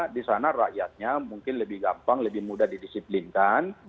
di sana rakyatnya mungkin lebih gampang lebih mudah didisiplinkan